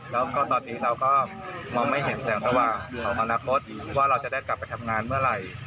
แล้วก็ตอนนี้เราก็มองไม่เห็นแสงสว่างของอนาคตว่าเราจะได้กลับไปทำงานเมื่อไหร่